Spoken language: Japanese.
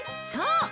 そう！